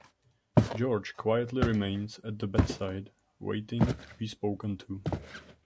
George quietly remains at the bedside, waiting to be spoken to.